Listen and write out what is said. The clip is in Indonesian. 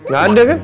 gak ada kan